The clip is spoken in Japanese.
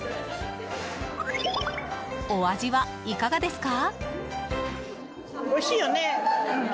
お味はいかがですか？